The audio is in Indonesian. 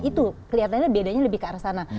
itu kelihatannya bedanya lebih ke arah sana